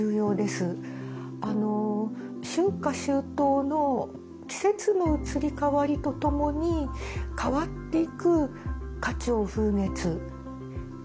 春夏秋冬の季節の移り変わりと共に変わっていく花鳥風月。